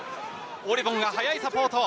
オリヴォンが速いサポート。